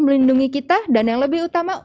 melindungi kita dan yang lebih utama